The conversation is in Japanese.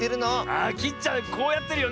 あきっちゃんこうやってるよね。